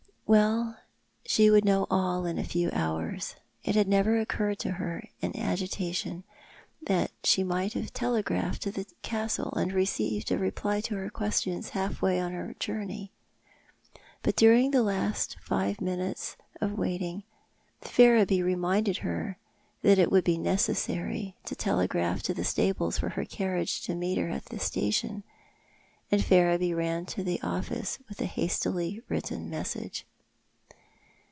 Well, she would know all in a few hours. It had never occurred to her in her agitation that she might have telegraphed to the Castle, and received a reply to her question.^: half way on her journey. But during the last five minutes of waiting Ferriby reminded her that it would bo necessary to 3o6 TJwtt art the Man, telegraph to the stables for her carriage to meet her at the station, and Ferriby ran to the office with a hastily written message.